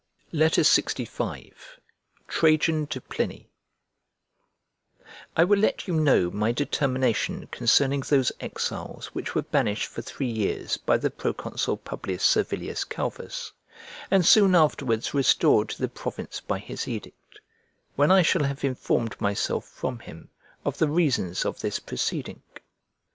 LXV TRAJAN TO PLINY I WILL let you know my determination concerning those exiles which were banished for three years by the proconsul P. Servilius Calvus, and soon afterwards restored to the province by his edict, when I shall have informed myself from him of the reasons of this proceeding.